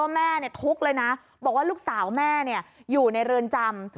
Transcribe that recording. แม่ทุกข์เลยนะบอกว่าลูกสาวแม่อยู่ในเรือนจำ